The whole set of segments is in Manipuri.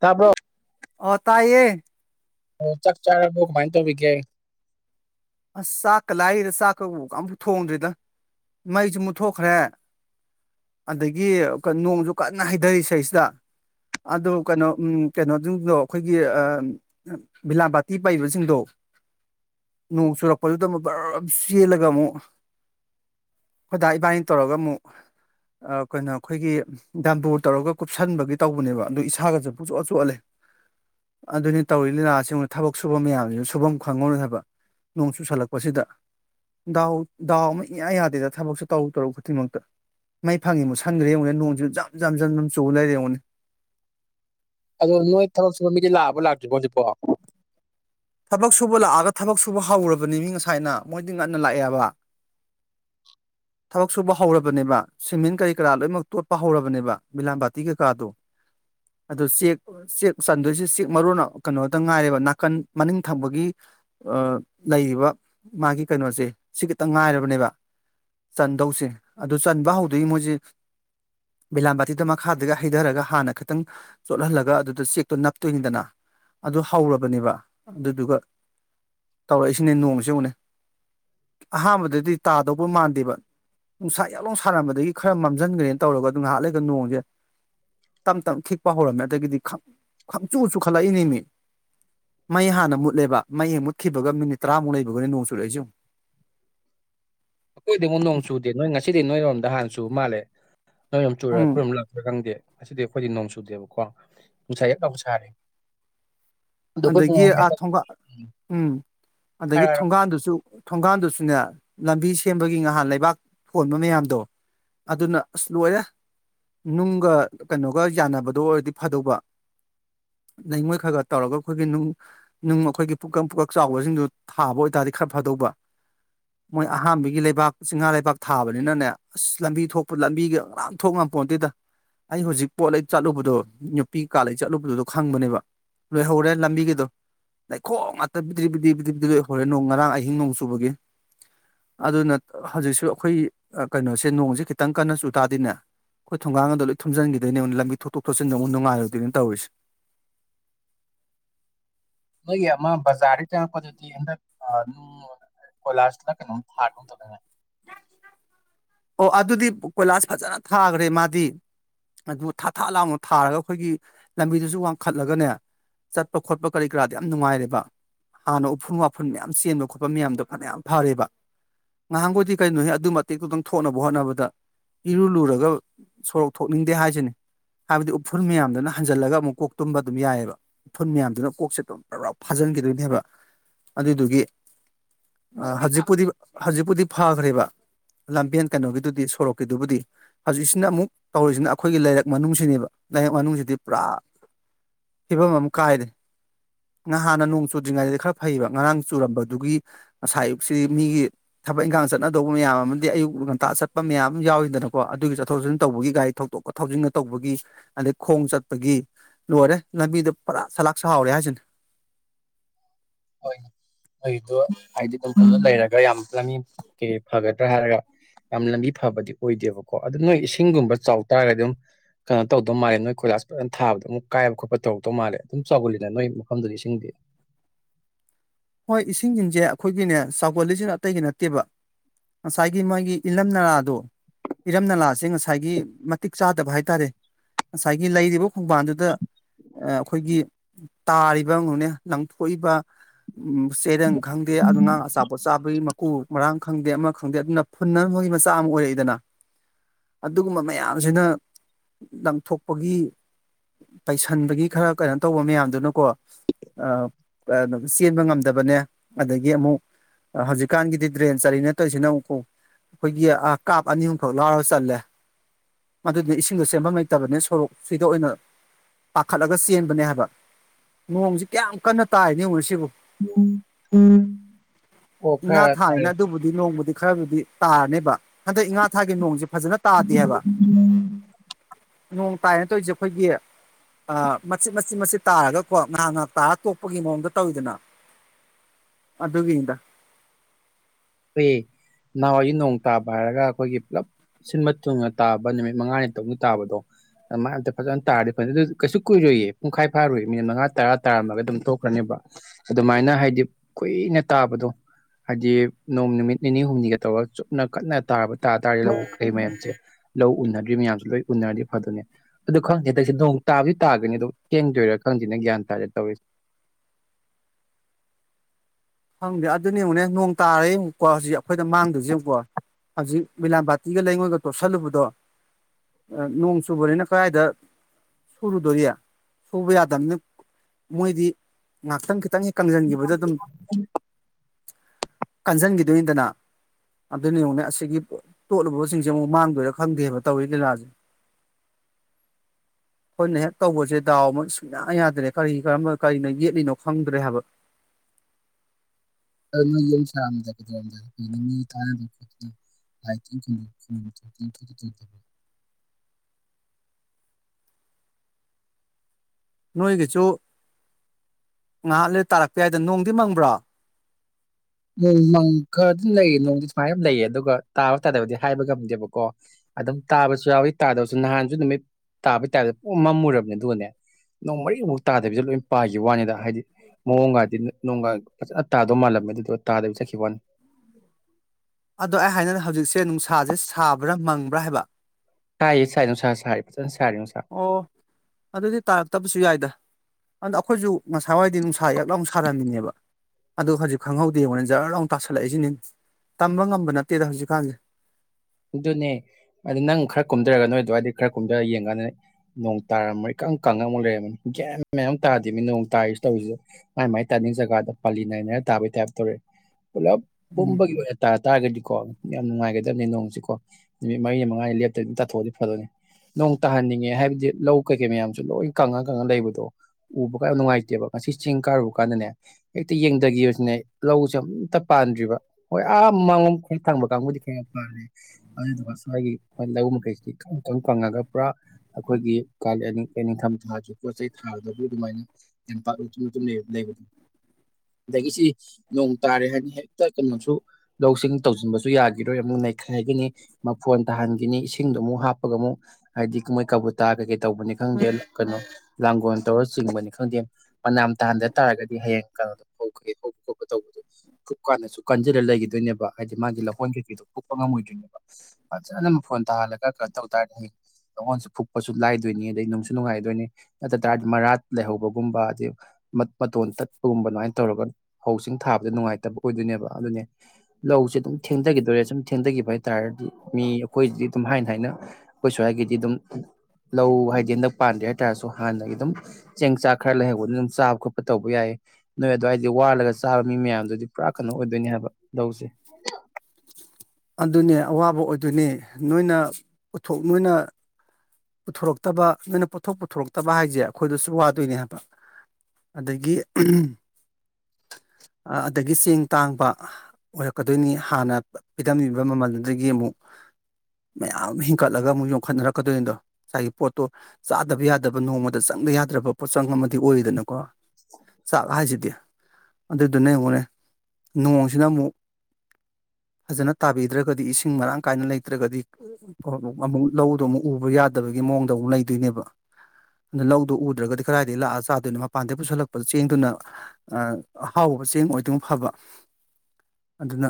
ꯇꯥꯕ꯭ꯔꯣ ꯑꯣ ꯇꯥꯏꯌꯦ ꯑꯣ ꯆꯥꯛ-ꯆꯥꯔꯕꯣ ꯀꯃꯥꯏꯅ ꯇꯧꯔꯤꯒꯦ ꯑꯥꯁ ꯆꯥꯛꯀ ꯂꯥꯏꯔꯤꯗ ꯆꯥꯛꯀꯕꯨ ꯑꯝꯇ ꯊꯣꯡꯗ꯭ꯔꯤꯗ ꯃꯩꯖꯨ ꯃꯨꯠꯊꯣꯛꯈ꯭ꯔꯦ ꯑꯗꯒꯤ ꯀꯥꯅꯣꯡꯖꯨ ꯀꯟꯅ ꯍꯩꯊꯩ ꯁꯩꯁꯤꯗ ꯑꯗꯣ ꯀꯩꯅꯣ ꯎꯝ ꯀꯩꯅꯣꯖꯤꯡꯗꯣ ꯈꯣꯢꯒꯤ ꯕꯤꯂꯥꯝꯕꯥꯇꯤ ꯄꯩꯕꯖꯤꯡꯗꯣ ꯅꯣꯡ ꯆꯨꯔꯛꯄꯗꯨꯗ ꯑꯃꯨꯛ ꯕꯔꯔꯥꯔꯞꯆꯦꯜꯂꯒ ꯑꯃꯨꯛ ꯈꯣꯏꯗꯥ ꯏꯕꯥꯅꯤ ꯇꯧꯔꯒ ꯑꯃꯨꯛ ꯑꯥꯀꯩꯅꯣ ꯑꯩꯈꯣꯏꯒꯤ ꯗꯥꯝꯕꯨꯔ ꯇꯧꯔꯒ ꯀꯨꯞꯁꯟꯕꯒꯤ ꯇꯧꯕꯅꯦꯕ ꯑꯗꯨ ꯏꯁꯥꯒꯁꯨ ꯄꯨꯆꯣꯠ-ꯆꯣꯠꯂꯦ ꯑꯗꯨꯅꯤ ꯇꯧꯔꯤ ꯂꯤꯂꯥꯁꯤꯉꯣ ꯊꯕꯛ ꯁꯨꯕ ꯃꯌꯥꯝꯁꯤꯁꯨ ꯁꯨꯐꯝ ꯈꯪꯉꯔꯣꯏ ꯍꯥꯏꯕ ꯅꯣꯡ ꯆꯨꯁꯜꯂꯛꯄꯁꯤꯗ ꯗꯥꯎ ꯗꯥꯎ ꯑꯃ ꯏꯪꯌꯥ- ꯌꯥꯗꯦꯗ ꯊꯕꯛꯁꯨ ꯇꯧꯔꯨ ꯇꯧꯔꯨ ꯈꯨꯗꯤꯡꯃꯛꯇ ꯃꯩ ꯐꯪꯉꯤꯃꯨꯠ ꯁꯟꯒ꯭ꯔꯦ ꯌꯦꯡꯉꯣꯅꯦ ꯅꯣꯡꯖꯨ ꯖꯥꯝ ꯓꯝ ꯓꯝ ꯑꯗꯨꯝ ꯆꯨ ꯂꯩꯔꯦ ꯌꯦꯡꯉꯣꯅꯦ ꯑꯗꯣ ꯅꯣꯏ ꯊꯕꯛ ꯁꯨꯕ ꯃꯤꯗꯤ ꯂꯥꯛꯑꯕ- ꯂꯥꯛꯇ꯭ꯔꯤꯕꯣ ꯍꯧꯖꯤꯛꯄꯣ ꯊꯕꯛ ꯁꯨꯕ ꯂꯥꯛꯑꯒ-ꯊꯕꯛ ꯁꯨꯕ ꯍꯧꯔꯕꯅꯤ ꯃꯤ ꯉꯁꯥꯏꯅ ꯃꯣꯏꯗꯤ ꯉꯟꯅ ꯂꯥꯛꯑꯦꯕ INAUDIBLE ꯊꯕꯛ ꯁꯨꯕ ꯍꯧꯔꯕꯅꯦꯕ ꯁꯤꯃꯦꯟ ꯀꯔꯤ- ꯀꯔꯥ ꯂꯣꯏꯅꯃꯛ ꯇꯣꯠꯄ ꯍꯧꯔꯕꯅꯦꯕ ꯕꯤꯂꯥꯟ ꯕꯥꯇꯤ ꯀꯩꯀꯥꯗꯨꯣ ꯑꯗꯣ ꯆꯦꯛ ꯆꯦꯛ ꯆꯟꯗꯣꯏꯖꯦ ꯆꯦꯛ ꯃꯔꯣꯟ ꯀꯩꯅꯣꯗ ꯉꯥꯏꯔꯦꯕ ꯅꯥꯀꯟ ꯃꯅꯤꯡ ꯊꯪꯕꯒꯤ ꯑꯥ ꯂꯩꯔꯤꯕ ꯃꯥꯒꯤ ꯀꯩꯅꯣꯖꯦ ꯁꯤ ꯈꯤꯇ ꯉꯥꯏꯔꯕꯅꯦꯕ ꯆꯟꯗꯧꯁꯦ ꯑꯗꯨ ꯆꯟꯕ ꯍꯧꯗꯣꯏ ꯃꯣꯏꯖꯦ ꯕꯤꯂꯥꯕꯥꯇꯤꯗꯨ ꯃꯈꯥꯗꯒ ꯍꯩꯊꯔꯒ ꯍꯥꯟꯅ ꯈꯤꯇꯪ ꯆꯣꯠꯍꯜꯂꯒ ꯑꯗꯨꯗ ꯆꯦꯛꯇꯣ ꯅꯞꯇꯣꯏꯅꯤꯗꯅ ꯑꯗꯨ ꯍꯧꯔꯕꯅꯤꯕ ꯑꯗꯨꯗꯨꯒ ꯇꯧꯔꯛꯏꯖꯤꯅꯦ ꯅꯣꯡ ꯖꯦ ꯌꯦꯡꯉꯨꯅꯦ ꯑꯍꯥꯟꯕꯗꯗꯤ ꯇꯥꯗꯧꯕ ꯃꯥꯟꯗꯦꯕ ꯅꯨꯡꯁꯥ ꯌꯥꯛꯂꯥꯎ ꯁꯥꯔꯝꯕꯗꯒꯤ ꯈꯔ ꯃꯝꯖꯤꯟꯒ꯭ꯔꯦꯅ ꯇꯧꯔꯒ ꯑꯗꯨ ꯉꯥꯏꯍꯥꯛ ꯂꯩꯔꯒ ꯅꯣꯡꯖꯦ ꯇꯝ ꯇꯝꯅꯥ ꯈꯤꯛꯄ ꯍꯧꯔꯝꯃꯦ ꯑꯗꯒꯤꯗꯤ ꯈꯪ ꯈꯥꯡꯆꯨ ꯈꯠꯂꯛꯏꯅꯦꯃꯤ ꯃꯩ ꯍꯥꯟꯅ ꯃꯨꯠꯂꯦꯕ ꯃꯩ ꯍꯦꯛ ꯃꯨꯠꯈꯤꯕꯒ ꯃꯤꯅꯤꯠ ꯇꯔꯥꯃꯨꯛ ꯂꯩꯕꯒꯅꯦ ꯅꯣꯡ ꯆꯨꯔꯛꯏꯖꯦꯎ ꯑꯩꯈꯣꯏꯗꯤꯉꯣ ꯅꯣꯡ ꯆꯨꯗꯦ ꯅꯣꯏ ꯉꯁꯤꯗꯤ ꯅꯣꯏꯔꯣꯝꯗ ꯍꯥꯟꯅ ꯆꯨ ꯃꯥꯜꯂꯦ ꯅꯣꯏꯔꯣꯝ ꯆꯨꯔ ꯎꯝ ꯑꯩꯈꯣꯏꯔꯣꯝ ꯂꯥꯛꯇꯣꯏꯔꯥ ꯈꯪꯗꯦ ꯑꯁꯤꯗꯤ ꯑꯩꯈꯣꯏꯗꯤ ꯅꯣꯡ ꯆꯨꯗꯦꯕꯀꯣ ꯅꯨꯡꯁꯥ ꯌꯥꯛꯅꯥ ꯁꯥꯔꯤ ꯑꯗꯒꯤ ꯑꯥ ꯊꯣꯡꯒꯥꯜ ꯎꯝ ꯑꯗꯒꯤ ꯍꯥꯏꯔꯣ ꯊꯣꯡꯒꯥꯟꯗꯨꯁꯨ-ꯊꯣꯡꯒꯥꯟꯗꯨꯁꯨꯅꯦ ꯂꯝꯕꯤ ꯁꯦꯝꯕꯒꯤ ꯉꯍꯥꯟ ꯂꯩꯕꯥꯛ ꯊꯣꯟꯕ ꯃꯌꯥꯝꯗꯣ ꯑꯗꯨꯅ ꯑꯥꯁ ꯂꯣꯏꯔꯦ ꯅꯨꯡꯒ ꯀꯩꯅꯣꯒ ꯌꯥꯅꯕꯗꯣ ꯑꯣꯏꯔꯗꯤ ꯐꯗꯧꯕ ꯂꯩꯉꯣꯏ ꯈꯔꯒ ꯇꯧꯔꯒ ꯑꯩꯈꯣꯏꯒꯤ ꯅꯨꯡ ꯅꯨꯡ ꯑꯩꯈꯣꯏꯒꯤ ꯄꯨꯡꯀꯛ ꯄꯨꯡꯀꯛ ꯆꯥꯎꯕꯖꯤꯡꯗꯨ ꯊꯥꯕ ꯑꯣꯏꯇꯥꯔꯗꯤ ꯈꯔ ꯐꯗꯧꯕ ꯃꯣꯏ ꯑꯍꯥꯟꯕꯒꯤ ꯂꯩꯕꯥꯛ ꯆꯤꯡꯉꯥ ꯂꯩꯕꯥꯛ ꯊꯥꯕꯅꯤꯅꯅꯦ ꯑꯥꯁ ꯂꯝꯕꯤ ꯊꯣꯛꯄ ꯂꯝꯕꯤꯒ ꯀꯅꯥꯝ ꯊꯣꯛꯉꯝ ꯄꯣꯟꯇꯦꯗ ꯑꯩ ꯍꯧꯖꯤꯛ ꯄꯣꯠꯂꯩ ꯆꯠꯂꯨꯕꯗꯣ ꯌꯣꯠꯄꯤ ꯀꯥꯂꯩ ꯆꯠꯂꯨꯕꯗꯨꯗ ꯈꯪꯕꯅꯦꯕ ꯂꯣꯏꯍꯧꯔꯦ ꯂꯝꯕꯤꯒꯤꯗꯣ ꯂꯩꯈꯣꯝ ꯉꯥꯛꯇ ꯕꯤꯗ꯭ꯔꯤ ꯕꯤꯗ꯭ꯔꯤ ꯕꯤꯗ꯭꯭ꯔꯤ ꯂꯣꯏꯍꯧꯔꯦ ꯅꯣꯡ ꯉꯔꯥꯡ ꯑꯍꯤꯡ ꯅꯣꯡ ꯆꯨꯕꯒꯤ ꯑꯗꯨꯅ ꯍꯧꯖꯤꯛꯁꯨ ꯑꯩꯈꯣꯏ ꯑꯥꯀꯩꯅꯣꯖꯦ ꯅꯣꯡꯖꯦ ꯈꯤꯇꯪ ꯀꯟꯅ ꯆꯨꯇꯥꯔꯗꯤꯅꯦ ꯑꯩꯈꯣꯏ ꯊꯣꯡꯒꯥꯟꯒꯗꯣ ꯂꯣꯏ ꯊꯨꯝꯖꯟꯈꯤꯗꯣꯏꯅꯦ ꯂꯝꯕꯤ ꯊꯣꯛꯇꯣꯛ- ꯊꯣꯛꯆꯤꯟꯗ ꯑꯃꯨꯛ ꯅꯨꯡꯉꯥꯏꯔꯨꯗꯣꯏꯅꯦ ꯇꯧꯔꯤꯁꯦ ꯅꯣꯏꯒꯤ ꯑꯃ ꯕꯖꯥꯔꯗꯩ ꯆꯪꯉꯛꯄꯗꯨꯗꯤ ꯍꯟꯗꯛ ꯑꯥ ꯅꯨꯡ ꯀꯣꯏꯂꯥꯁꯂ ꯀꯩꯅꯣꯝ ꯊꯥꯒꯤꯒꯨꯝ ꯇꯧꯗꯥꯏꯅꯦ ꯑꯣ ꯑꯗꯨꯗꯤ ꯀꯣꯏꯂꯥꯁ ꯐꯖꯅ ꯊꯥꯈ꯭ꯔꯦ ꯃꯥꯗꯤ ꯑꯗꯨ ꯊꯥ ꯊꯥ ꯂꯥꯎꯅ ꯊꯥꯔꯒ ꯑꯩꯈꯣꯏꯒꯤ ꯂꯝꯕꯤꯗꯨꯁꯨ ꯋꯥꯡꯈꯠꯂꯒꯅꯦ ꯆꯠꯄ ꯈꯣꯠꯄ ꯀꯔꯤ ꯀꯔꯥꯗꯤ ꯌꯥꯝ ꯅꯨꯡꯉꯥꯏꯔꯦꯕ ꯍꯥꯟꯅ ꯎꯐꯨꯟ ꯋꯥꯐꯨꯟ ꯃꯌꯥꯝ ꯆꯦꯟꯕ ꯈꯣꯠꯄ ꯃꯌꯥꯝꯗꯣ ꯐꯅꯌꯥꯝ ꯐꯔꯦꯕ ꯉꯍꯟꯒꯣꯏꯗꯤ ꯀꯩꯅꯣꯍꯦ ꯑꯗꯨ ꯃꯇꯦꯛꯇꯨꯗꯪ ꯊꯣꯛꯅꯕ ꯍꯣꯠꯅꯕꯗ ꯏꯔꯨ ꯂꯨꯔꯒ ꯁꯣꯔꯣꯛ ꯊꯣꯛꯅꯤꯡꯗꯦ ꯍꯥꯏꯁꯤꯅꯤ ꯍꯥꯏꯕꯗꯤ ꯎꯐꯨꯜ ꯃꯌꯥꯝꯗꯨꯅ ꯍꯟꯖꯤꯜꯂꯒ ꯑꯃꯨꯛ ꯀꯣꯛ ꯇꯨꯝꯕ ꯑꯗꯨꯝ ꯌꯥꯏꯌꯦꯕ ꯎꯐꯨꯜ ꯃꯌꯥꯝꯗꯨꯅ ꯀꯣꯛꯁꯦ ꯑꯗꯨꯝ ꯄꯔꯥꯎ ꯐꯖꯜ ꯅꯦꯍꯥꯏꯕ ꯑꯗꯨꯗꯨꯒꯤ ꯍꯧꯖꯤꯛꯄꯨꯗꯤ ꯍꯧꯖꯤꯛꯄꯨꯗꯤ ꯐꯈ꯭ꯔꯦꯕ ꯂꯝꯕꯦꯟ ꯀꯩꯅꯣꯒꯤꯗꯨꯗꯤ ꯁꯣꯔꯣꯛꯀꯤꯗꯨꯕꯨꯗꯤ ꯍꯧꯖꯤꯛꯁꯤꯅ ꯑꯃꯨꯛ ꯇꯧꯔꯤꯁꯤꯅ ꯑꯩꯈꯣꯏꯒꯤ ꯂꯩꯔꯛ ꯃꯅꯨꯡꯁꯤꯅꯦꯕ ꯂꯥꯔꯛ ꯃꯅꯨꯡꯁꯤꯗꯤ ꯄꯨꯔꯥ ꯐꯤꯕꯝ ꯑꯃ ꯀꯥꯏꯔꯦ ꯉꯍꯥꯟꯅ ꯅꯣꯡ ꯆꯨꯗ꯭ꯔꯤꯉꯩꯗꯤ ꯈꯔ ꯐꯩꯕ ꯉꯔꯥꯡ ꯆꯨꯔꯝꯕꯗꯨꯒꯤ ꯉꯁꯥꯏ ꯑꯌꯨꯛꯁꯤ ꯃꯤꯒꯤ ꯊꯕꯛ ꯊꯕꯛ ꯏꯪꯈꯥꯡ ꯆꯠꯅꯗꯧꯕ ꯃꯌꯥꯝ ꯑꯃꯗꯤ ꯑꯌꯨꯛ ꯉꯟꯇꯥ ꯆꯠꯄ ꯃꯌꯥꯝ ꯑꯃ ꯌꯥꯎꯔꯤꯗꯅꯀꯣ ꯑꯗꯨꯒꯤ ꯆꯠꯊꯣꯛ ꯆꯠꯁꯤꯟ ꯇꯧꯕꯒꯤ ꯒꯥꯔꯤ ꯊꯣꯛꯇꯣꯛꯀ ꯊꯧꯖꯤꯟꯒ ꯇꯧꯕꯒꯤ ꯑꯗꯩ ꯈꯣꯡ ꯆꯠꯄꯒꯤ ꯂꯣꯏꯔꯦ ꯂꯝꯕꯤꯗꯣ ꯄꯨꯔꯥ ꯁꯂꯥꯛ ꯁꯍꯧꯔꯦ ꯍꯥꯏꯁꯤꯅꯦ [inaudible] ꯍꯣꯏ ꯑꯩꯗꯣ ꯍꯥꯏꯗꯤ ꯅꯗ ꯂꯩꯔꯒ ꯌꯥꯝ ꯂꯝꯕꯤ ꯀꯩ ꯀꯩ ꯐꯒꯗ꯭ꯔꯥ ꯍꯥꯏꯔꯒ ꯌꯥꯝ ꯂꯝꯕꯤ ꯐꯕꯗꯤ ꯑꯣꯏꯗꯦꯕꯀꯣ ꯑꯗꯣ ꯅꯣꯏ ꯏꯁꯤꯡꯒꯨꯝꯕ ꯆꯥꯎꯇꯥꯥꯔꯒꯗꯤ ꯑꯗꯨꯝ ꯀꯩꯅꯣ ꯇꯧꯗꯧ ꯃꯥꯜꯂꯦ ꯅꯣꯏ ꯀꯣꯏꯂꯥꯁ ꯐꯖꯅ ꯊꯥꯕꯗꯣ ꯑꯃꯨꯛ ꯀꯥꯏꯕ ꯈꯣꯠꯄ ꯇꯧꯗꯧ ꯃꯥꯜꯂꯦ ꯑꯗꯨꯝ ꯆꯥꯎꯒꯜꯂꯤꯗꯅ ꯅꯣꯏ ꯃꯐꯝꯗꯨ ꯏꯁꯤꯡꯗꯤ [inaudible] ꯍꯣꯏ ꯏꯁꯤꯡꯁꯤꯡꯁꯦ ꯑꯩꯈꯣꯏꯒꯤꯅꯦ ꯆꯥꯎꯒꯜꯂꯤꯁꯤꯅ ꯑꯇꯩꯒꯤ ꯅꯠꯇꯦꯕ ꯉꯁꯥꯏꯒꯤ ꯃꯥꯒꯤ ꯏꯂꯝ ꯅꯂꯥꯗꯣ ꯏꯔꯝ ꯅꯂꯥꯥꯁꯦ ꯉꯁꯥꯏꯒꯤ ꯃꯇꯤꯛ ꯆꯥꯗꯕ ꯍꯥꯏꯇꯥꯔꯦ ꯉꯁꯥꯏꯒꯤ ꯂꯩꯔꯤꯕ ꯈꯣꯡꯕꯥꯟꯗꯨꯗ ꯑꯩꯈꯣꯏꯒꯤ ꯇꯥꯔꯤꯕꯉꯨꯅꯦ ꯂꯪꯊꯣꯛꯏꯕ ꯎꯝ ꯆꯦꯔꯪ ꯈꯪꯗꯦ ꯑꯉꯥꯡ ꯑꯆꯥꯄꯣꯠ ꯆꯥꯕꯒꯤ ꯃꯛ ꯀꯨ ꯃꯔꯥꯡ ꯈꯪꯗꯦ ꯑꯃ ꯈꯪꯗꯦ ꯑꯗꯨꯅ ꯐꯨꯟꯅꯕꯒꯤ ꯃꯆꯥꯛ ꯑꯃ ꯑꯣꯏꯔꯛꯏꯗꯅ ꯑꯗꯨꯒꯨꯝꯕ ꯃꯌꯥꯝꯁꯤꯅ ꯂꯪꯊꯣꯛꯄꯒꯤ ꯄꯩꯁꯟꯕꯒꯤ ꯈꯔ ꯀꯩꯅꯣ ꯇꯧꯕ ꯃꯌꯥꯝꯗꯨꯅꯀꯣ ꯆꯦꯟꯕ ꯉꯝꯗꯕꯅꯦ ꯑꯗꯒꯤ ꯑꯃꯨꯛ ꯍꯧꯖꯤꯛꯀꯥꯟꯒꯤꯗꯤ ꯗ꯭ꯔꯦꯟ ꯆꯜꯂꯤꯅꯦ ꯇꯧꯔꯤꯁꯤꯅ ꯑꯃꯨꯛ ꯑꯩꯈꯣꯏꯒꯤ ꯀꯥꯞ ꯑꯅꯤ ꯑꯍꯨꯝꯈꯛ ꯂꯥꯎꯔꯒ ꯆꯜꯂꯦ ꯃꯗꯨꯒꯤꯅꯦ ꯏꯁꯤꯡꯗꯣ ꯆꯦꯟꯐꯝ ꯂꯩꯇꯕꯅꯦ ꯁꯣꯔꯣꯛꯁꯤꯗ ꯑꯣꯏꯅ ꯄꯥꯈꯠꯂꯒ ꯆꯦꯟꯕꯅꯦ ꯍꯥꯏꯕ ꯅꯣꯡꯁꯤ ꯀꯌꯥꯝ ꯀꯟꯅ ꯇꯥꯏꯅꯣ ꯌꯦꯡꯉꯨꯅꯦ ꯁꯤ ꯕꯨ ꯑꯣ ꯏꯉꯥ ꯈꯔ ꯇꯥꯔꯦ ꯊꯥꯅꯤꯅ ꯑꯗꯨꯕꯨꯗꯤ ꯅꯣꯡꯕꯨꯗꯤ ꯈꯔꯕꯨꯗꯤ ꯇꯥꯔꯅꯦꯕ ꯍꯟꯗꯛ ꯏꯉꯥ ꯊꯥꯒꯤ ꯅꯣꯡꯁꯦ ꯐꯖꯅ ꯇꯥꯗꯦ ꯍꯥꯏꯕ ꯅꯣꯡ ꯇꯥꯏꯅꯦ ꯇꯧꯔꯤꯁꯦ ꯑꯩꯈꯣꯏꯒꯤ ꯑ ꯃꯆꯤꯠ ꯃꯆꯤꯠ ꯃꯆꯤꯠ ꯇꯥꯔꯒꯀꯣ ꯉꯍꯥꯛ ꯉꯍꯥꯛ ꯇꯥꯔꯒ ꯇꯣꯛꯄꯒꯤ ꯃꯑꯣꯡꯗ ꯇꯧꯏꯗꯅ ꯑꯗꯨꯒꯤꯅꯤꯗ ꯆꯨꯏꯌꯦ ꯅꯍꯥꯟꯋꯥꯏꯗꯤ ꯅꯣꯡ ꯇꯥꯕ ꯍꯥꯏꯔꯒ ꯑꯩꯈꯣꯏꯒꯤ ꯄꯨꯂꯞ ꯁꯤꯟꯕ ꯊꯨꯡꯅ ꯇꯥꯕ ꯅꯨꯃꯤꯠ ꯃꯉꯥꯅꯤ ꯇꯔꯨꯛꯅꯤ ꯇꯥꯕꯗꯣ ꯑꯗꯨꯃꯥꯏꯅ ꯑꯃꯇ ꯐꯖꯅ ꯇꯥꯔꯗꯤ ꯐꯅꯤ ꯑꯗꯨꯑꯣꯏꯖꯨ ꯀꯩꯁꯨ ꯀꯨꯏꯔꯣꯏ ꯀꯨꯏꯔꯣꯏꯌꯦ ꯄꯨꯡꯈꯥꯏ ꯐꯥꯔꯣꯏꯑꯦ ꯃꯤꯅꯤꯠ ꯃꯉꯥ ꯇꯔꯥ ꯇꯥꯔꯝꯃꯒ ꯑꯗꯨꯝ ꯇꯣꯛꯈ꯭ꯔꯅꯦꯕ ꯑꯗꯨꯃꯥꯏꯅ ꯍꯥꯏꯗꯤ ꯀꯨꯏꯅ ꯇꯥꯕꯗꯣ ꯍꯥꯏꯗꯤ ꯅꯣꯡ ꯅꯨꯃꯤꯠ ꯅꯤꯅꯤ ꯍꯨꯝꯅꯤꯒ ꯇꯧꯔꯒ ꯆꯨꯞꯅ ꯀꯟꯅ ꯇꯥꯕ ꯇꯥ ꯇꯥꯔꯒꯗꯤ ꯂꯧꯀꯩꯀꯥ ꯃꯌꯥꯝꯁꯦ ꯂꯧ ꯎꯅꯗ꯭ꯔꯤ ꯌꯥꯝꯁꯦ ꯂꯣꯏ ꯎꯅꯔꯗꯤ ꯐꯗꯧꯅꯦ ꯑꯗꯨ ꯈꯪꯗꯦ ꯇꯧꯏꯁꯦ ꯅꯣꯡ ꯇꯥꯕꯗꯤ ꯇꯥꯒ꯭ꯔꯤꯅꯤ ꯑꯗꯣ ꯊꯦꯡꯗꯣꯏꯔꯥ ꯈꯪꯗꯦꯅ ꯒ꯭ꯌꯥꯟ ꯇꯥꯗꯦ [unintelligible] [inaudible] ꯈꯪꯗꯦ ꯑꯗꯨꯅꯦ ꯌꯦꯡꯉꯨꯅꯦ ꯅꯣꯡ ꯇꯥꯔꯦꯌꯦꯡꯉꯨ ꯀꯣ ꯍꯧꯖꯤꯛ ꯑꯈꯣꯏꯗ ꯃꯥꯡꯗꯨꯏꯖꯦ ꯌꯦꯡꯉꯨꯀꯣ ꯍꯧꯖꯤꯛ ꯕꯤꯂꯥꯝꯕꯇꯤꯒ ꯂꯩꯉꯣꯏꯒ ꯇꯣꯁꯜꯂꯨꯕꯗꯣ ꯑꯥ ꯅꯣꯡ ꯆꯨꯕꯅꯤꯅ ꯀꯔꯏꯗ ꯁꯨꯔꯨꯗꯣꯔꯤ ꯁꯨꯕ ꯌꯥꯗꯕꯅꯤꯅ ꯃꯣꯏꯗꯤ ꯉꯥꯛꯇꯪ ꯈꯤꯇꯪ ꯀꯪꯖꯤꯟꯒꯤꯕꯗ ꯑꯗꯨꯝ ꯀꯟꯖꯟꯒꯤꯗꯣꯏꯅꯤꯗꯅ ꯑꯗꯨꯅꯤ ꯌꯦꯡꯉꯨꯅꯦ ꯑꯁꯤꯒꯤ ꯇꯣꯠꯂꯨꯕ ꯖꯤꯡꯖꯦ ꯑꯃꯨꯛ ꯃꯡꯗꯣꯏꯔ ꯈꯪꯗꯦꯕ ꯇꯧꯔꯤ ꯂꯤꯂꯖꯦ [inaudible] ꯈꯣꯏꯅ ꯍꯦꯛ ꯇꯧꯕꯖꯦ ꯗꯥꯎ ꯑꯃ ꯁꯨꯡꯌꯥ ꯌꯥꯗ꯭ꯔꯦ ꯀꯔꯤ ꯀꯔꯝꯕ ꯀꯔꯤꯅ ꯌꯦꯠꯂꯤꯅꯣ ꯈꯪꯗ꯭ꯔꯦ ꯍꯥꯏꯕ [inaudible] [unintelligible] [unintelligible] [inaudible] ꯅꯣꯏꯒꯤ ꯆꯨ ꯉꯍꯛ ꯂꯩꯔ ꯇꯥꯔꯛꯄ ꯌꯥꯏꯗ ꯅꯣꯡꯗꯤ ꯃꯪꯕ꯭ꯔ ꯅꯣꯡ ꯃꯪ ꯈꯔꯗꯤ ꯂꯩꯌꯦ ꯅꯣꯡꯗꯤ ꯁꯨꯃꯥꯏꯅ ꯑꯗꯨꯝ ꯂꯩꯌꯦ ꯑꯗꯨꯒ ꯇꯥꯕ ꯇꯥꯗꯕꯗꯨꯗꯤ ꯍꯥꯏꯕ ꯉꯝꯗꯦꯕꯀꯣ ꯑꯗꯨꯝ ꯇꯕꯁꯨ ꯌꯥꯎꯋꯤ ꯇꯥꯗꯕꯁꯨ ꯅꯍꯥꯟꯁꯨ ꯅꯨꯃꯤꯠ ꯇꯕꯩ ꯇꯥꯏꯞꯇ ꯄꯨꯃꯝꯃꯝꯃꯨꯔꯕꯅꯦ ꯑꯗꯨꯒꯅꯦ ꯅꯣꯡ ꯃꯔꯤꯛꯕꯧ ꯇꯥꯗꯕꯤꯗ ꯂꯣꯏ ꯄꯥꯏꯒꯤ ꯋꯥꯅꯤꯗ ꯍꯥꯏꯗꯤ ꯃꯑꯣꯡꯒꯗꯤ ꯅꯣꯡꯒ ꯐꯖꯅ ꯇꯊꯧ ꯃꯥꯜꯂꯝꯃꯦ ꯑꯗꯨꯒ ꯇꯥꯗꯕꯤ ꯆꯠꯈꯤ ꯋꯥꯅꯤ ꯑꯗꯣ ꯑꯩ ꯍꯥꯏꯖꯤꯅ ꯍꯧꯖꯤꯛꯁꯦ ꯅꯨꯡꯁꯥꯖꯦ ꯁꯕ꯭ꯔ ꯃꯪꯕ꯭ꯔ ꯍꯥꯏꯕ ꯁꯥꯏꯌꯦ ꯁꯥꯏꯌꯦ ꯅꯨꯡꯁ ꯁꯥꯏꯌꯦ ꯑꯣ ꯑꯗꯨꯗꯤ ꯇꯥꯔꯛꯇꯕꯁꯨ ꯌꯥꯏꯗ ꯑꯗ ꯑꯈꯣꯏꯖꯨ ꯉꯁꯥꯏꯋꯥꯏꯗꯤ ꯅꯨꯡꯁ ꯌꯥꯛ ꯂꯥꯎꯅ ꯁꯥꯔꯝꯃꯤꯅꯦꯕ ꯑꯗꯣ ꯍꯧꯖꯤꯛ ꯈꯪꯍꯧꯗꯦꯌꯦꯡꯉꯣꯅꯦ ꯖꯔ ꯂꯥꯎꯅ ꯇꯥꯁꯜꯂꯛꯏꯁꯤꯅꯤ ꯇꯝꯕ ꯉꯝꯕ ꯅꯠꯇꯦꯗ ꯍꯧꯖꯤꯛꯀꯥꯟꯖꯦ ꯑꯗꯨꯅꯦ ꯑꯗꯨ ꯅꯪ ꯈꯔ ꯀꯨꯝꯗꯔꯒ ꯅꯣꯏ ꯑꯗꯨꯋꯥꯏꯗꯤ ꯈꯔ ꯀꯨꯝꯗꯔꯒ ꯌꯦꯡꯀꯥꯟꯗ ꯅꯣꯡ ꯇꯔꯝꯃ ꯄꯨꯛꯀꯪ ꯀꯪꯉꯒ ꯑꯃꯨꯛ ꯂꯩꯔꯝꯃꯦ ꯒ꯭ꯌꯥꯟ ꯃꯦꯟ ꯇꯗꯦꯃꯦ ꯅꯣꯡ ꯇꯥꯔꯤꯖꯦ ꯇꯧꯔꯤꯖꯤ ꯃꯥꯏ ꯃꯥꯏ ꯇꯥꯅꯤꯡ ꯖꯒꯗ ꯄꯜꯂꯤ ꯅꯥꯏꯅ ꯉꯩꯍꯥꯛ ꯇꯕꯩ ꯇꯥꯏꯞ ꯇꯧꯋꯦ ꯄꯨꯂꯞ ꯎꯝ ꯄꯨꯝꯕꯒꯤ ꯑꯣꯏꯅ ꯇ ꯇꯥꯔꯒꯗꯤꯀꯣ ꯌꯥꯝ ꯅꯨꯡꯉꯥꯏꯒꯗꯕꯅꯤ ꯅꯣꯡꯖꯨ ꯀꯣ ꯅꯨꯃꯤꯠ ꯃꯔꯤꯅꯤ ꯃꯉꯥꯅꯤ ꯂꯦꯞꯇꯕꯤ ꯇꯊꯣꯛꯑꯗꯤ ꯐꯗꯧꯅꯤ ꯅꯣꯡ ꯇꯥꯍꯟꯅꯤꯡꯉꯦ ꯍꯥꯏꯕꯗꯤ ꯂꯧ ꯀꯩꯀꯩ ꯃꯌꯥꯝꯖꯨ ꯂꯣꯏ ꯀꯪꯉ ꯀꯪꯉ ꯂꯩꯕꯗꯣ ꯎꯕ ꯀꯟ ꯌꯥꯝ ꯅꯨꯡꯉꯥꯏꯇꯦꯕ ꯉꯁꯤ ꯆꯤꯡ ꯀꯥꯔꯨꯕ ꯀꯥꯟꯗꯅꯦ ꯍꯦꯛꯇ ꯌꯦꯡꯗꯒꯤꯕꯗꯅꯦ ꯂꯧꯁꯦ ꯑꯝꯇ ꯄꯟ ꯄꯥꯟꯗ꯭ꯔꯤꯕ ꯍꯣꯏ ꯑꯥ ꯃꯃꯥꯡꯂꯣꯝ ꯁꯣꯝ ꯊꯪꯕ ꯀꯥꯡꯕꯨꯗꯤ ꯈꯔ [unintelligible] ꯑꯗꯨꯗꯨꯒ ꯁ꯭ꯋꯥꯏꯒꯤ ꯂꯧꯎ ꯃꯈꯩꯖꯤꯗꯤ ꯏꯀꯪ ꯀꯪ ꯀꯪꯉꯒ ꯄꯨꯔ ꯑꯈꯣꯏꯒꯤ ꯀꯥꯂꯦꯟ ꯅꯤꯡꯊꯝ ꯊꯥꯒꯤ ꯄꯣꯠ ꯆꯩ ꯊꯥꯗꯕꯗꯨ ꯑꯗꯨꯃꯥꯏꯅ ꯇꯦꯝꯄꯥꯛ ꯃꯇꯨꯝ ꯃꯇꯨꯝ ꯂꯩꯕ ꯂꯩꯕꯗꯣ ꯑꯗꯒꯤ ꯁꯤ ꯅꯣꯡ ꯇꯔꯦ ꯍꯥꯏꯅ ꯍꯦꯛꯇ ꯀꯩꯅꯣꯁꯨ ꯂꯧꯁꯤꯡ ꯇꯧꯖꯤꯟꯕꯖꯨ ꯌꯥꯒꯤꯔꯣꯏ ꯑꯃꯨꯛ ꯅꯩ ꯒꯅꯤ ꯃꯐꯣꯟ ꯇꯍꯟ ꯒꯤꯅꯤ ꯏꯁꯤꯡꯗꯣ ꯑꯃꯨꯛ ꯍꯥꯞꯄꯒ ꯑꯃꯨꯛ ꯍꯥꯏꯗꯤ ꯃꯣꯏ ꯀꯕꯣꯇ ꯀꯩꯀꯩ ꯇꯧꯕꯅꯤ ꯈꯪꯗꯦ ꯀꯩꯅꯣ ꯂꯥꯡꯒꯣꯜ ꯇꯧꯔ ꯆꯤꯡꯕꯅꯤ ꯈꯪꯗꯦ ꯃꯅꯥꯝ ꯇꯥꯍꯟꯗ ꯇꯥꯔꯒꯗꯤ ꯍꯌꯦꯡ [unintelligible] ꯀꯟꯖꯜꯂ ꯂꯩꯒꯤꯗꯣꯏꯅꯦꯕ ꯍꯥꯏꯗꯤ ꯃꯒꯤ ꯂꯧꯍꯣꯟ ꯀꯩꯀꯩꯗꯣ ꯐꯨꯛꯄ ꯉꯝꯃꯣꯏꯗꯣꯏꯅꯦꯕ ꯐꯖꯅ ꯃꯐꯣꯟ ꯇꯥꯍꯜꯂꯒ ꯀꯩꯅꯣ ꯇꯧ ꯇꯔꯗꯤ ꯂꯧꯍꯣꯟꯁꯦ ꯐꯨꯛꯄꯁꯨ ꯂꯥꯏꯗꯣꯏꯅꯤ ꯑꯗꯩ ꯅꯨꯡꯁꯨ ꯅꯨꯡꯉꯥꯏꯗꯣꯏꯅꯤ ꯅꯠꯇ ꯇꯔꯗꯤ ꯃꯔꯥ ꯂꯩꯍꯧꯕꯒꯨꯝꯕ ꯑꯗꯩ ꯃꯠ ꯃꯇꯣꯟ ꯇꯠꯄꯒꯨꯝꯕ ꯑꯗꯨꯃꯥꯏꯅ ꯇꯧꯔꯒ ꯐꯧꯆꯤꯡ ꯊꯥꯕꯗ ꯅꯨꯡꯉꯥꯏꯇꯕ ꯑꯣꯏꯗꯣꯏꯅꯦꯕ ꯑꯗꯨꯅꯦ ꯂꯧꯁꯦ ꯑꯗꯨꯝ ꯊꯦꯡꯗꯒꯤꯗꯣꯔꯦ ꯁꯨꯝ ꯊꯦꯡꯗꯒꯤꯕꯏ ꯇꯥꯏꯌꯔꯗꯨ ꯃꯤ ꯑꯩꯈꯣꯏꯒꯤꯗꯤ ꯑꯗꯨꯝ ꯍꯥꯏꯅ ꯍꯥꯏꯅ ꯑꯩꯈꯣꯏ ꯁ꯭ꯋꯥꯏꯒꯤꯗꯤ ꯑꯗꯨꯝ ꯂꯧ ꯍꯥꯏꯗꯤ ꯍꯟꯗꯛ ꯄꯥꯟꯗꯦ ꯍꯥꯏꯇꯥꯔꯁꯨ ꯍꯥꯟꯅꯗꯒꯤ ꯑꯗꯨꯝ ꯆꯦꯡ ꯆꯥꯛ ꯈꯔ ꯂꯩꯍꯧꯕꯅ ꯑꯗꯨꯝ ꯆꯥꯕ ꯈꯣꯠꯄ ꯇꯧꯕ ꯌꯥꯏ ꯅꯣꯏ ꯑꯗꯨꯋꯥꯏꯗꯤ ꯋꯥꯜꯂꯒ ꯆꯥꯕ ꯃꯤ ꯃꯌꯥꯝꯗꯨꯗꯤ ꯄꯨꯔꯥ ꯀꯩꯅꯣ ꯑꯣꯏꯗꯣꯏꯅꯤ ꯍꯥꯏꯕ ꯂꯧꯁꯦ [inaudible] ꯑꯗꯨꯅꯦ ꯑꯋꯥꯕ ꯑꯣꯏꯗꯣꯏꯅꯦ ꯅꯣꯏꯅ ꯎꯠꯊꯣꯛ ꯅꯣꯏꯅ ꯄꯨꯊꯣꯔꯛꯇꯕ ꯅꯣꯏꯅ ꯄꯣꯠꯊꯣꯛ ꯄꯨꯊꯣꯔꯛꯇꯕ ꯍꯥꯏꯁꯦ ꯑꯩꯈꯣꯏꯗꯁꯨ ꯋꯥꯗꯣꯏꯅꯦ ꯍꯥꯏꯕ ꯑꯗꯒꯤ ꯎꯝ ꯑꯗꯒꯤ ꯆꯦꯡ ꯇꯥꯡꯕ ꯑꯣꯏꯔꯛꯀꯗꯣꯏꯅꯤ ꯍꯥꯟꯅ ꯄꯤꯔꯝꯃꯤꯕ ꯃꯃꯜꯗꯨꯗꯒꯤ ꯑꯃꯨꯛ ꯃꯌꯥꯝ ꯍꯦꯟꯀꯠꯂꯒ ꯑꯃꯨꯛ ꯌꯣꯟꯈꯠꯅꯔꯛꯀꯗꯣꯏꯅꯤꯗꯣ ꯉꯁꯥꯏꯒꯤ ꯄꯣꯠꯇꯣ ꯆꯥꯗꯕ ꯌꯥꯗꯕ ꯅꯣꯡꯃꯗ ꯆꯪꯗ ꯌꯥꯗ꯭ꯔꯕ ꯄꯣꯠꯆꯪ ꯑꯃꯗꯤ ꯑꯣꯏꯔꯤꯗꯅꯀꯣ ꯆꯥꯛ ꯍꯥꯏꯁꯤꯗꯤ ꯑꯗꯨꯗꯨꯅ ꯌꯦꯡꯉꯣꯅꯦ ꯅꯣꯡꯁꯤꯅ ꯑꯃꯨꯛ [inaudible] ꯐꯖꯅ ꯇꯥꯕꯤꯗ꯭ꯔꯒꯗꯤ ꯏꯁꯤꯡ ꯃꯔꯥꯡ ꯀꯥꯏꯅ ꯂꯩꯇ꯭ꯔꯒꯗꯤ ꯑꯃꯨꯛ ꯂꯧꯗꯣ ꯑꯃꯨꯛ ꯎꯕ ꯌꯥꯗ ꯗꯕꯒꯤ ꯃꯑꯣꯡꯗ ꯑꯃꯨꯛ ꯂꯩꯗꯣꯏꯅꯦꯕ ꯑꯗꯨ ꯂꯧꯗꯣ ꯎꯗ꯭ꯔꯒꯗꯤ ꯀꯗꯥꯏꯗꯒꯤ ꯂꯥꯛꯑ ꯆꯥꯗꯣꯏꯅꯣ ꯃꯄꯥꯟꯗꯒꯤ ꯄꯨꯁꯜꯂꯛꯄ ꯆꯦꯡꯗꯨꯅ ꯑ ꯍꯥꯎ ꯕ ꯆꯦꯡ ꯑꯣꯏꯗꯨꯅ ꯐꯕ ꯑꯗꯨꯅ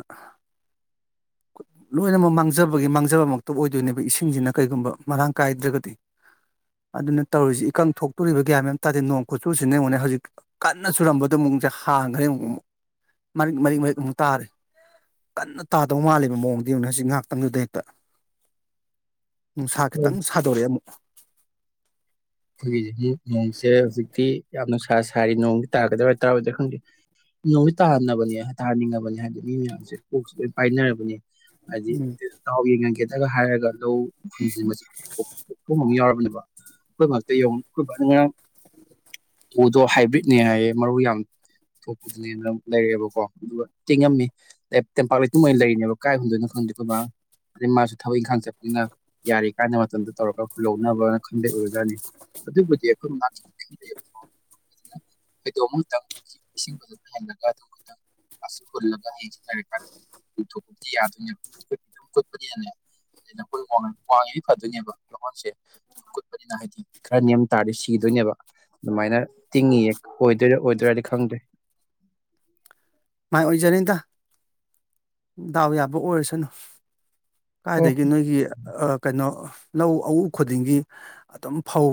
ꯂꯣꯏꯅꯃꯛ ꯃꯥꯡꯖꯕꯒꯤ ꯃꯥꯡꯖꯕꯃꯛꯇ ꯑꯣꯏꯗꯣꯏꯅꯦꯕ ꯏꯁꯤꯡꯁꯤꯅ ꯀꯔꯤꯒꯨꯝꯕ ꯃꯔꯥꯡ ꯀꯥꯏꯗ꯭ꯔꯒꯗꯤ ꯑꯗꯨꯅ ꯇꯧꯔꯤꯁꯤ ꯏꯀꯪ ꯊꯣꯛꯇꯣꯔꯤꯕ ꯒ꯭ꯌꯥꯟ ꯃꯦꯟ ꯇꯥꯗꯦ ꯅꯣꯡ ꯈꯣꯆꯨꯁꯤꯅ ꯑꯩꯉꯣꯅꯦ ꯍꯧꯖꯤꯛ ꯀꯟꯅ ꯆꯨꯔꯝꯕꯗꯣ ꯑꯃꯨꯛ ꯍꯥꯡꯈ꯭ꯔꯦ ꯑꯃꯨꯛ ꯃꯥꯔꯤꯛ ꯃꯥꯔꯤꯛ ꯑꯃꯨꯛ ꯇꯥꯔꯤ ꯀꯟꯅ ꯇꯥ ꯗꯧ ꯃꯥꯜꯂꯦꯕ ꯃꯑꯣꯡꯗꯤ ꯍꯧꯖꯤꯛ ꯉꯥꯏꯍꯥꯛꯇꯪꯗꯨꯗ ꯍꯦꯛꯇ ꯅꯨꯡꯁꯥ ꯈꯤꯇꯪ ꯑꯩꯈꯣꯏꯒꯤꯁꯤꯗꯤ ꯁꯥꯗꯣꯔꯛꯑꯦ ꯑꯃꯨꯛ ꯑꯩꯈꯣꯏꯒꯤꯁꯤꯗꯤ ꯅꯣꯡꯁꯦ ꯍꯧꯖꯤꯛꯇꯤ ꯌꯥꯝꯅ ꯅꯨꯁꯥ ꯁꯥꯔꯤ ꯅꯣꯡꯗꯤ ꯇꯥꯒꯗꯔꯥ ꯇꯔꯣꯏꯗ꯭ꯔꯥ ꯈꯪꯗꯦ ꯅꯣꯡꯗꯤ ꯇꯥꯍꯟꯅꯤꯡꯉꯕꯅꯦ ꯇꯥꯍꯟꯅꯤꯡꯉꯕꯅꯤ ꯍꯥꯏꯗꯤ ꯃꯤ ꯃꯌꯥꯝꯁꯦ ꯀꯣꯛꯁꯦ ꯂꯣꯏ ꯄꯥꯏꯅꯔꯕꯅꯦ ꯍꯥꯏꯗꯤ ꯎꯝ ꯗꯥꯎ ꯌꯦꯡꯉꯒꯦꯗꯒ ꯍꯥꯏꯔꯒ ꯂꯧ ꯍꯨꯅꯁꯤꯟꯕꯆꯤ ꯀꯣꯛꯊꯣꯡ ꯑꯃ ꯌꯥꯎꯔꯕꯅꯤ ꯑꯩꯈꯣꯏ ꯃꯔꯛꯇ ꯌꯦꯉꯨ ꯑꯩꯈꯣꯏ ꯃꯔꯛꯇ ꯉꯔꯥꯡ [inaudible] ꯎꯗꯣ ꯍꯥꯏꯕ꯭ꯔꯤꯠꯅꯦ ꯍꯥꯏꯌꯦ ꯃꯔꯨ ꯌꯥꯝ ꯊꯣꯛꯄꯗꯨꯅꯦꯅ ꯂꯩꯔꯦꯕꯀꯣ ꯑꯗꯨꯒ ꯇꯤꯡꯉꯝꯃꯤ ꯇꯦꯝꯄꯥꯛ ꯂꯩꯇꯨꯝ ꯑꯣꯏꯅ ꯂꯩꯔꯤꯅꯦꯕ ꯀꯥꯏ ꯍꯨꯗꯣꯏꯅꯣ ꯈꯪꯗꯦ ꯑꯗꯨꯒ ꯑꯗꯩ ꯃꯥꯁꯨ ꯊꯕꯛ ꯏꯪꯈꯥꯡ ꯆꯠꯄꯅꯤꯅ ꯌꯥꯔꯤ ꯀꯥꯟꯗ ꯃꯇꯝꯗꯨ ꯇꯧꯔꯒ ꯍꯨꯜꯍꯧꯅꯕꯅ ꯈꯪꯗꯦ ꯑꯣꯏꯔꯖꯅꯤ ꯑꯗꯨꯕꯨꯗꯤ ꯑꯩꯈꯣꯏ ꯃꯥ ꯈꯪꯗꯦꯕꯀꯣ [inaudible] ꯐꯩꯗꯣꯝ ꯑꯃꯨꯛꯇꯪ ꯏꯁꯤꯡ ꯑꯗꯨ ꯂꯩꯍꯜꯂꯒ ꯑꯗꯨꯝ ꯈꯤꯛꯇꯪ ꯍꯨꯜꯂꯒ ꯍꯁ ꯍꯥꯏꯔ ꯊꯣꯛꯄꯗꯤ ꯌꯥ ꯈꯣꯠꯄꯗꯤ [unintelligible] ꯅꯈꯣꯏ ꯋꯥꯡꯉꯤꯈꯩ ꯐꯗꯣꯏꯅꯦꯕ ꯂꯍꯣꯟꯁꯦ ꯑꯩꯅ ꯍꯥꯏꯗꯤ ꯈꯔ ꯅꯦꯝ ꯇꯥꯔꯗꯤ ꯁꯤꯗꯣꯏꯅꯦꯕ ꯑꯗꯨꯃꯥꯏꯅ ꯇꯤꯡꯉꯤꯌꯦ ꯑꯣꯏꯗꯣꯏꯔꯥ ꯑꯣꯏꯗꯣꯏꯔꯥꯗꯤ ꯈꯪꯗ꯭ꯔꯦ [inaudible] ꯃꯥꯏ ꯑꯣꯏꯖꯔꯅꯤꯗ ꯗꯥꯎ ꯌꯥꯕ ꯑꯣꯏꯔꯁꯅꯨ ꯑꯣ ꯀꯥꯏꯗꯒꯤ ꯅꯣꯏꯒꯤ ꯀꯩꯅꯣ ꯂꯧ ꯑꯎ ꯈꯨꯗꯤꯡꯒꯤ ꯑꯗꯨꯝ ꯐꯧ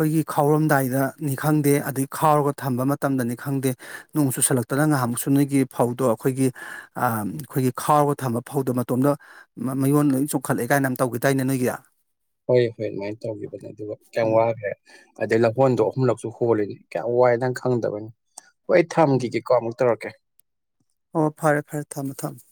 ꯑꯩꯈꯣꯏꯒꯤ ꯈꯥꯎꯔꯝꯗꯥꯏꯗꯅꯤ ꯈꯪꯗꯦ ꯑꯗꯒꯤ ꯈꯥꯎꯔꯒ ꯊꯝꯕ ꯃꯇꯝꯗꯅꯤ ꯈꯪꯗꯦ ꯅꯣꯡ ꯆꯨ ꯁꯜꯂꯛꯇꯅ ꯉꯍꯥꯟꯃꯨꯛꯁꯨ ꯅꯣꯏꯒꯤ ꯐꯧꯗꯣ ꯑꯩꯈꯣꯏꯒꯤ ꯑ ꯑꯩꯈꯣꯏꯒꯤ ꯈꯥꯎꯔꯒ ꯊꯝꯕ ꯐꯧꯗꯣ ꯃꯇꯣꯝꯗ ꯃꯌꯣꯟ ꯆꯣꯡꯈꯠꯂꯛꯑꯦ ꯀꯥꯏꯅ ꯑꯃ ꯇꯧꯈꯤꯗꯥꯏꯅꯦ ꯅꯣꯏꯒꯤ ꯍꯣꯏ ꯍꯣꯏ ꯑꯗꯨꯃꯥꯏꯅ ꯇꯧꯈꯤꯕꯅꯦ ꯑꯗꯨꯒ ꯀꯌꯥꯝ ꯎꯝ ꯋꯥꯈ꯭ꯔꯦ ꯑꯗꯩ ꯂꯐꯣꯟꯗꯣ ꯎꯝ ꯑꯍꯨꯝꯂꯛꯁꯨ ꯍꯣꯜꯂꯤꯅꯤ ꯀꯌꯥꯝ ꯋꯥꯏ ꯅꯪ ꯈꯪꯗꯕꯒꯤꯅꯤ ꯍꯣꯏ ꯑꯩ ꯎꯝ ꯊꯝꯈꯤꯒꯦꯀꯣ ꯑꯃꯨꯛ ꯇꯧꯔꯛꯀꯦ ꯑꯣ ꯐꯔꯦ ꯐꯔꯦ ꯊꯝꯃꯨ ꯊꯝꯃꯨ